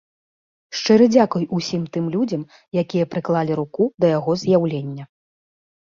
Шчыры дзякуй усім тым людзям, якія прыклалі руку да яго з'яўлення.